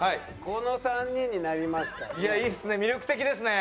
この３人になりましたね。